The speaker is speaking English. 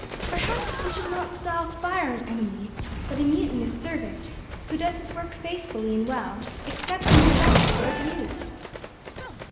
Perhaps we should not style fire an enemy, but a mutinous servant, who does his work faithfully and well, except when neglected or abused!